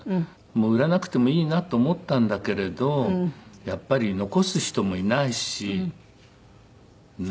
もう売らなくてもいいなと思ったんだけれどやっぱり残す人もいないし。ね？